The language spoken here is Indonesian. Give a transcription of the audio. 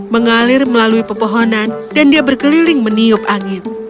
mengalir melalui pepohonan dan dia berkeliling meniup angin